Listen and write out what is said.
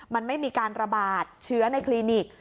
มันไม่มีการระบาดเชื้อในคลินิก